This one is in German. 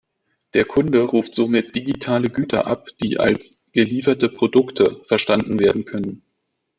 Der Kunde ruft somit digitale Güter ab, die als "gelieferte Produkte" verstanden werden können.